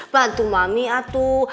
bantu mami atuh